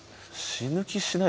死ぬ気しない。